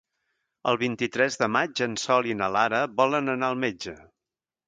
El vint-i-tres de maig en Sol i na Lara volen anar al metge.